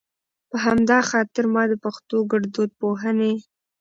په همدا خاطر ما د پښتو ګړدود پوهنې